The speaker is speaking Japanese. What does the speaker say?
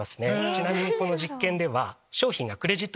ちなみにこの実験では。